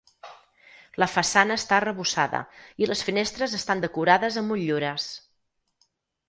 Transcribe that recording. La façana està arrebossada i les finestres estan decorades amb motllures.